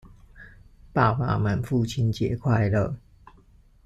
爸爸們父親節快樂！